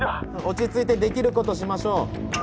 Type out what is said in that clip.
落ち着いてできることしましょう。